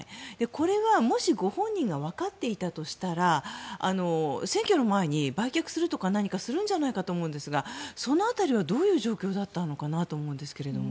これは、もしご本人が分かっていたとしたら選挙の前に売却するとかするんじゃないかと思うんですがその辺りはどういう状況だったのかなと思うんですけれども。